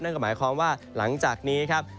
นั่นก็หมายความว่าหลังจากนี้ครับ